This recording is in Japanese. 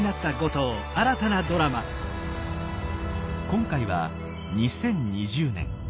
今回は２０２０年。